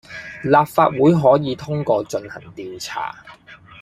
立法會可以通過進行調查